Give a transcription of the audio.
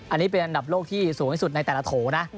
อันนี้เป็นอันดับโลกที่สูงที่สุดในแต่ละโถนะ